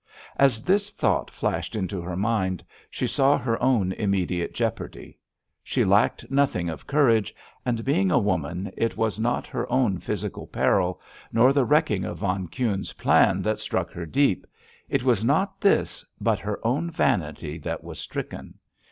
As this thought flashed into her mind, she saw her own immediate jeopardy. She lacked nothing of courage; and, being a woman, it was not her own physical peril, nor the wrecking of von Kuhne's plan, that struck her deep—it was not this, but her own vanity that was stricken.